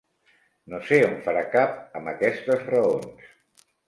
No sé on farà cap, amb aquestes raons.